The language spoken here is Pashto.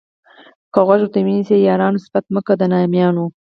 که غوږ ورته ونیسئ یارانو صفت کومه د نامیانو.